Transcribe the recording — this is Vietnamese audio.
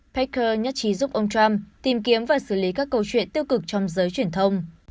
peker nhất trí giúp ông trump tìm kiếm và xử lý các câu chuyện tiêu cực trong giới truyền thông